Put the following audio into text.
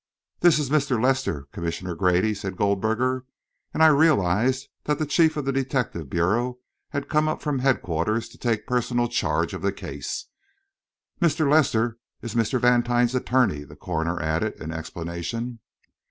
"This is Mr. Lester, Commissioner Grady," said Goldberger, and I realised that the chief of the detective bureau had come up from headquarters to take personal charge of the case. "Mr. Lester is Mr. Vantine's attorney," the coroner added, in explanation.